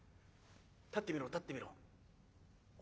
立ってみろ立ってみろ。